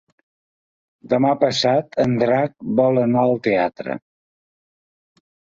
Demà passat en Drac vol anar al teatre.